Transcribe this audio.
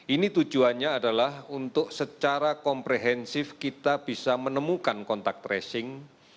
ini tujuannya adalah untuk secara komprehensif kita bisa menemukan kontak tracing